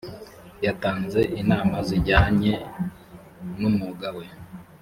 yatanze inama zijyanye n’umwuga we